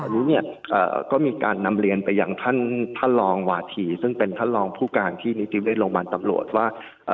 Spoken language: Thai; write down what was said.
ตอนนี้ก็มีการนำเรียนไปอย่างท่านท่านลองหวาถีซึ่งเป็นท่านลองผู้การที่นิติวเล่นโรงพยาบาลตำรวจว่า